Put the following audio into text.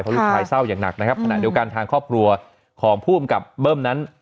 ลูกชายเศร้าอย่างหนักนะครับขณะเดียวกันทางครอบครัวของผู้กำกับเบิ้มนั้น